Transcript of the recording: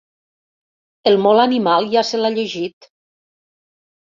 El molt animal ja se l'ha llegit.